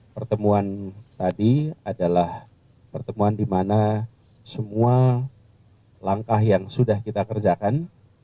pertemuan tadi adalah pertemuan di mana semua langkah yang sudah kita kerjakan